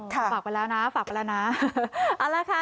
ฝากไปแล้วนะฝากไปแล้วนะเอาละค่ะ